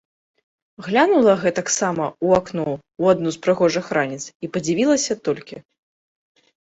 Глянула гэтаксама у акно ў адну з прыгожых раніц і падзівілася толькі.